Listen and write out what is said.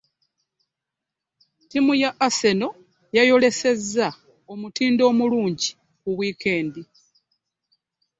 Ttiimu ya Arsernal yaayolesezza omutindo omulungi ku wiikendi.